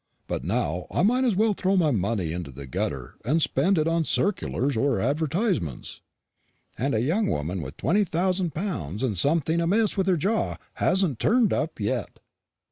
But now I might as well throw my money into the gutter as spend it on circulars or advertisements." "And a young woman with twenty thousand pounds and something amiss with her jaw hasn't turned up yet!"